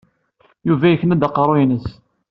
Yuba yekna-d aqerruy-nnes.